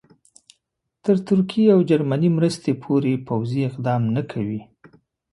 تر ترکیې او جرمني مرستې پورې پوځي اقدام نه کوي.